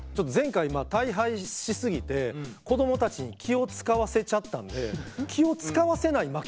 前回まあ大敗し過ぎて子どもたちに気を遣わせちゃったんで気を遣わせない